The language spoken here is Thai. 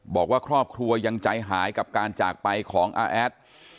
บอกว่าครอบครัวยังใจหายกับการจากไปของอาแอด